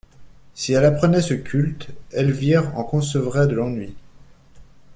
Si elle apprenait ce culte, Elvire en concevrait de l'ennui.